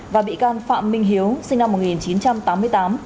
và bị can phạm minh hiếu sinh năm một nghìn chín trăm tám mươi tám